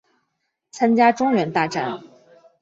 参加中原大战。